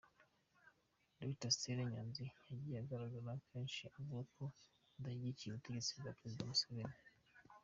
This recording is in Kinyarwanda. Dr Stella Nyanzi yagiye agaragara kenshi avuga ko adashyigikiye ubutegetsi bwa Perezida Museveni.